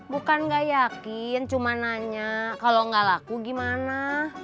bukan gak yakin cuma nanya kalau nggak laku gimana